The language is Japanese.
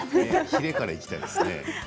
ひれからいきたいですね。